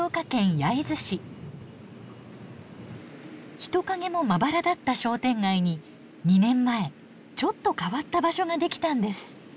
人影もまばらだった商店街に２年前ちょっと変わった場所ができたんです。